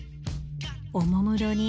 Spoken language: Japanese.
おもむろに